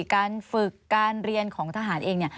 การฝึกการเรียนของทหารเอง